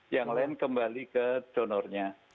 yang lain kembali ke donornya